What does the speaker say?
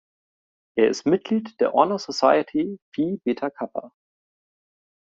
Er ist Mitglied der Honor Society Phi Beta Kappa.